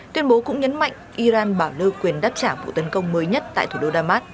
tuyên bố cũng nhấn mạnh iran bảo lưu quyền đáp trả vụ tấn công mới nhất tại thủ đô damas